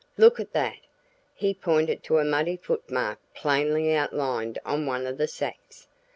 Look at that!" He pointed to a muddy foot mark plainly outlined on one of the sacks.